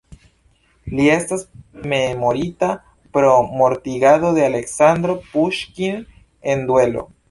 Li estas memorita pro mortigado de Aleksandro Puŝkin en duelo.